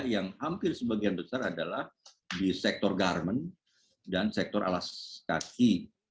yang hampir sebagian besar adalah di sektor garmen dan sektor alas kaki